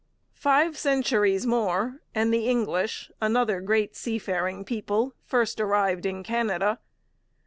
Five centuries more, and the English, another great seafaring people, first arrived in Canada.